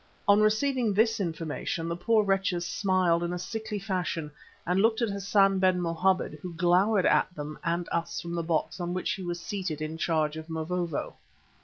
On receiving this information the poor wretches smiled in a sickly fashion and looked at Hassan ben Mohammed, who glowered at them and us from the box on which he was seated in charge of Mavovo.